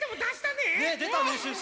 ねっでたねシュッシュ。